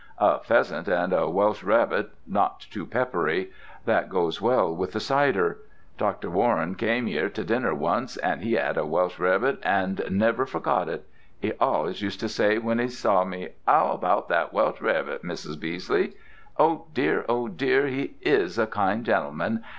"A pheasant and a Welsh rabbit, not too peppery. That goes well with the cider. Dr. Warren came 'ere to dinner once, an' he had a Welsh rabbit and never forgot it. 'E allus used to say when 'e saw me, ''Ow about that Welsh rabbit, Mrs. Beesley?' Oh, dear, Oh, dear, 'e is a kind gentleman!